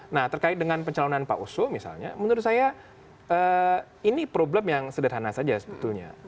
nah terkait dengan pencalonan pak oso misalnya menurut saya ini problem yang sederhana saja sebetulnya